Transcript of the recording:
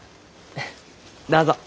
どうぞ。